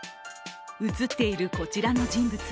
映っているこちらの人物。